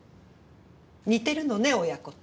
似てるのね親子って。